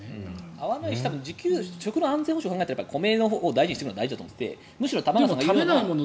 合わないし食の安全保障を考えたら米のほう、大事にしておくのは大事だと思っていてむしろ玉川さんが言うような。